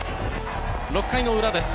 ６回の裏です。